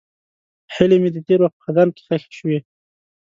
هیلې مې د تېر وخت په خزان کې ښخې شوې.